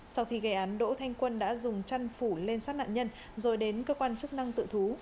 sau khi gây án đỗ thanh quân đã dùng chăn phủ lên sát nạn nhân rồi đến cơ quan chức năng tự thú